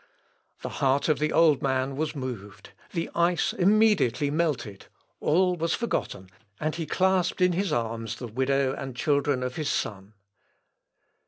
The heart of the old man was moved the ice immediately melted all was forgotten, and he clasped in his arms the widow and children of his son.